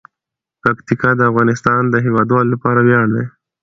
پکتیکا د افغانستان د هیوادوالو لپاره ویاړ دی.